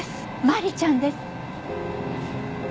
マリちゃんです。